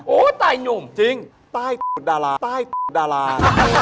เป็นคู่แข่งนะจริงใต้ดาราใต้ดารา